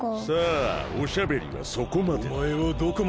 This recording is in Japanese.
さあおしゃべりはそこまでだ。